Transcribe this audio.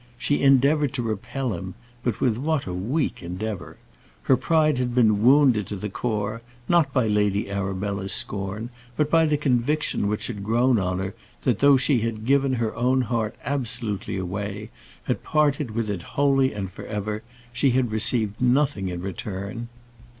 She endeavoured to repel him; but with what a weak endeavour! Her pride had been wounded to the core, not by Lady Arabella's scorn, but by the conviction which had grown on her, that though she had given her own heart absolutely away, had parted with it wholly and for ever, she had received nothing in return.